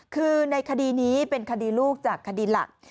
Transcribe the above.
คือในคดีนี้เป็นคดีลูกจากคดีหลัก